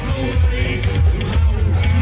เราไม่เคยวางดูว่า